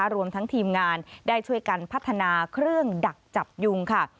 รวมทั้งทีมงานได้ช่วยกันพัฒนาเครื่องดักจับยุงค่ะ